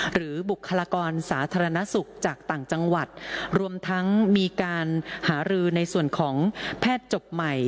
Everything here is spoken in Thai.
บุคลากรสาธารณสุขจากต่างจังหวัดรวมทั้งมีการหารือในส่วนของแพทย์จบใหม่